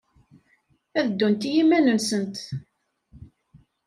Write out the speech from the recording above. Ad ddunt i yiman-nsent.